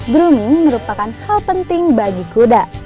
grooming merupakan hal penting bagi kuda